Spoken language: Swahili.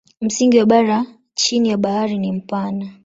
Msingi wa bara chini ya bahari ni mpana.